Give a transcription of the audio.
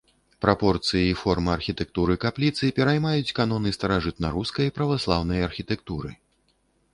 Прапорцыі і форма архітэктуры капліцы пераймаюць каноны старажытнарускай праваслаўнай архітэктуры.